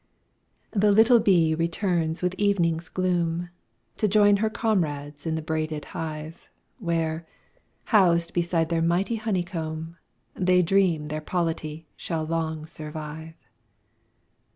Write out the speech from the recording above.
The little bee returns with evening's gloom, To join her comrades in the braided hive, Where, housed beside their mighty honeycomb, They dream their polity shall long survive.